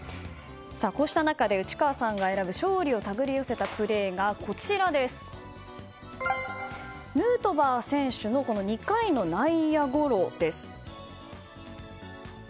こうした中で内川さんが選ぶ勝利を手繰り寄せたプレーがヌートバー選手の２回の内野ゴロです。